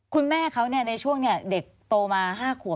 คุณแม่เขาในช่วงเด็กโตมา๕ขวบ